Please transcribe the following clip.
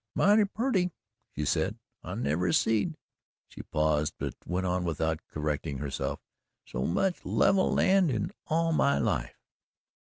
"It's mighty purty," she said, "I never seed" she paused, but went on without correcting herself "so much level land in all my life."